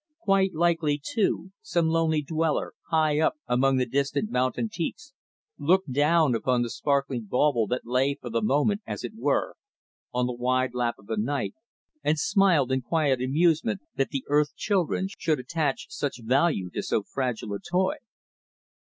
Quite likely, too, some lonely dweller, high up among the distant mountain peaks, looked down upon the sparkling bauble that lay for the moment, as it were, on the wide lap of the night, and smiled in quiet amusement that the earth children should attach such value to so fragile a toy.